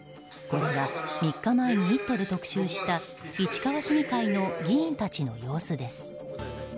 これは３日前に「イット！」で特集した市川市議会の議員たちの様子です。